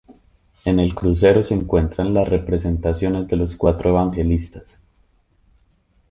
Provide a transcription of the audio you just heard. En el crucero se encuentran las representaciones de los cuatro evangelistas.